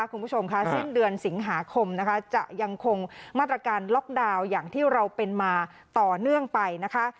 คุณผู้ชมค่ะสิ้นเดือนสิงหาคมนะคะจะยังคงมาตรการล็อกดาวน์อย่างที่เราเป็นมาต่อเนื่องไปนะคะ